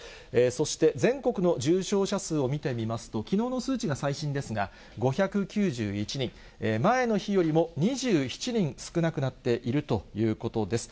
そして、全国の重症者数を見てみますと、きのうの数値が最新ですが、５９１人、前の日よりも２７人少なくなっているということです。